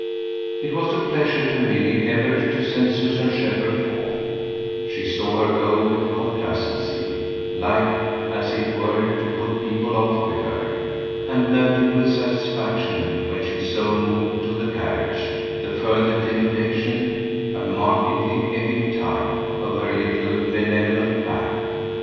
It was a pleasure to Milly, ever, to send Susan Shepherd forth; she saw her go with complacency, liked, as it were, to put people off with her, and noted with satisfaction, when she so moved to the carriage, the further denudation a markedly ebbing tide of her little benevolent back.